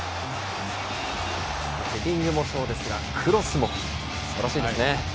ヘディングもそうですがクロスもすばらしいですね。